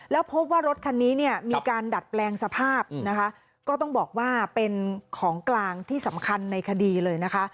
แล้วพบว่ารถคันนี้เนี่ยมีการดัดแปลงสภาพนะคะก็ต้องบอกว่าเป็นของกลางที่สำคัญในคดีเลยนะคะ